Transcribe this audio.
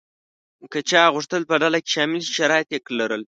که چا غوښتل په ډله کې شامل شي شرایط یې لرل.